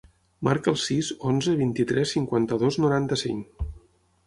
Marca el sis, onze, vint-i-tres, cinquanta-dos, noranta-cinc.